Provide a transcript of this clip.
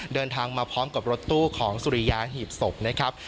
เดินทางมาพร้อมกับรถตู้ของสุริยาหีบศพนะครับ